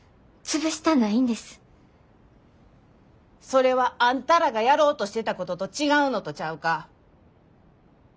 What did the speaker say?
それはあんたらがやろうとしてたことと違うのとちゃうか。